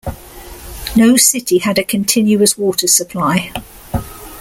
No city had a continuous water supply.